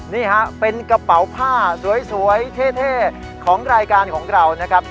นี่ฮะเป็นกระเป๋าผ้าสวยเท่ของรายการของเรานะครับ